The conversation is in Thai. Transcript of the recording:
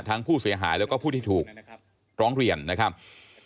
ทั้งผู้เสียหายแล้วก็ผู้ที่ถูกร้องเรียนนะครับ